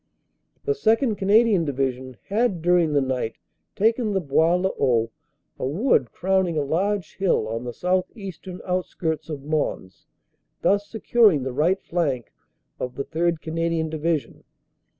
"The 2nd. Canadian Division had, during the night, taken the Bois le Haut, a wood crowning a large hill on the south eastern outskirts of Mons, thus securing the right flank of the 3rd. Canadian Division.